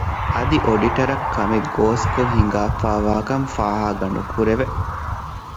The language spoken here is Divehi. އަދި އޮޑިޓަރަށް ކަމެއްގޯސްކޮށް ހިނގާފައިވާކަން ފާހަގަނުކުރެވެ